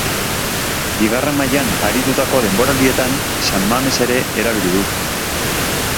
Bigarren Mailan aritutako denboraldietan San Mames ere erabili du.